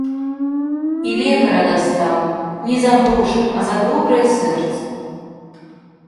І лекара дастаў, не за грошы, а за добрае сэрца.